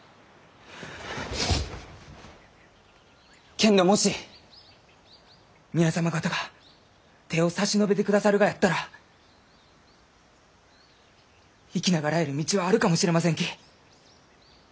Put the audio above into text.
けんどもし皆様方が手を差し伸べてくださるがやったら生き長らえる道はあるかもしれませんき！